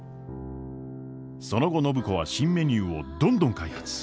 その後暢子は新メニューをどんどん開発。